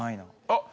あっ。